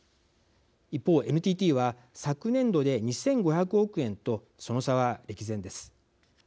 一方、ＮＴＴは、昨年度で２５００億円とその差は歴然です。